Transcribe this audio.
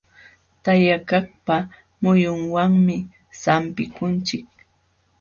Tayakaqpa muhunwanmi sampikunchik.